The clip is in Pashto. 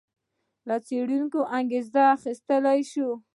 له څېړونکو انګېزه اخیستل شوې.